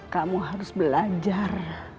kamu harus belajar